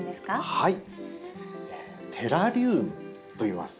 はいテラリウムといいます。